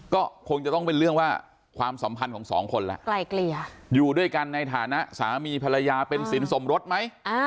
ก็คงจะต้องเป็นเรื่องว่าความสัมพันธ์ของสองคนแล้วไกลเกลี่ยอยู่ด้วยกันในฐานะสามีภรรยาเป็นสินสมรสไหม